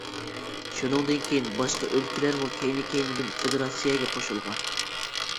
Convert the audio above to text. شۇنىڭدىن كېيىن، باشقا ئۆلكىلەرمۇ كەينى-كەينىدىن فېدېراتسىيەگە قوشۇلغان.